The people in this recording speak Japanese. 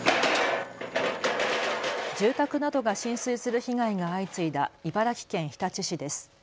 住宅などが浸水する被害が相次いだ茨城県日立市です。